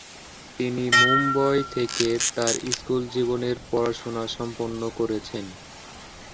তিনি মুম্বই থেকে তাঁর স্কুল জীবনের পড়াশোনা সম্পন্ন করেছেন।